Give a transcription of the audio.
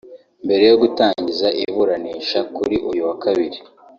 Mbere yo gutangiza iburanisha kuri uyu wa kabiri